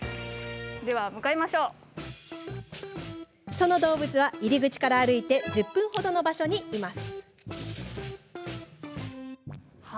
その動物は入り口から歩いて１０分ほどの場所にいます。